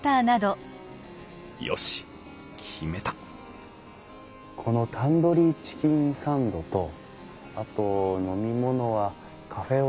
よし決めたこのタンドリーチキンサンドとあと飲み物はカフェオレをお願いします。